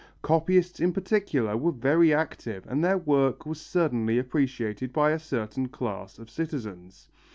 Copyists in particular were very active and their work was certainly appreciated by a certain class of citizens.